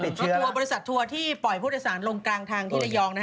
ที่ทัวร์บริษัททัวร์ที่ปล่อยผู้โดยสารลงกลางทางที่ระยอง